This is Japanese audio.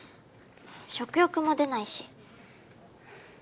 食欲も出ないし。